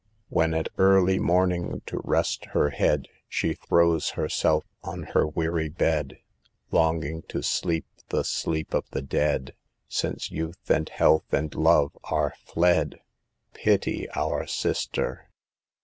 When at early morning, to rest her head, She throws herself on her weary bed, Longing to sleep the sleep of the dead, Since youth and health and love are fled— Pity our Sister.